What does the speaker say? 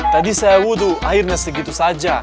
tadi sewu tuh akhirnya segitu saja